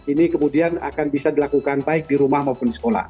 ini kemudian akan bisa dilakukan baik di rumah maupun di sekolah